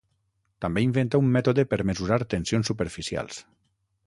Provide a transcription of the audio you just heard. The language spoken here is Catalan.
També inventà un mètode per mesurar tensions superficials.